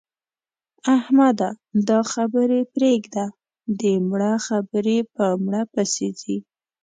احمده! دا خبرې پرېږده؛ د مړه خبرې په مړه پسې ځي.